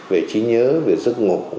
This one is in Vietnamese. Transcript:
về trí nhớ về giấc ngủ